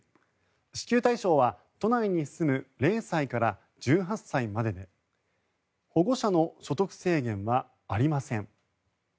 支給対象は都内に住む０歳から１８歳までで保護者の所得制限はありません。